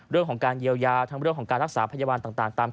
เรื่องของการเยียวยาทั้งเรื่องของรักษาพยาวัณต่างตามขั้นตอน